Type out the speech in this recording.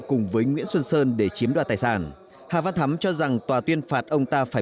cùng với nguyễn xuân sơn để chiếm đoạt tài sản hà văn thắm cho rằng tòa tuyên phạt ông ta phải